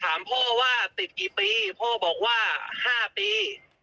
ถามพ่อว่าติดกี่ปีพ่อบอกว่า๕ปี